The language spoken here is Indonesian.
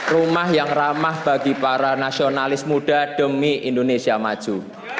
rumah yang ramah bagi para nasionalis muda demi indonesia maju